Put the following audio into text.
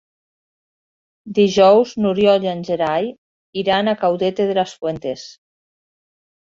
Dijous n'Oriol i en Gerai iran a Caudete de las Fuentes.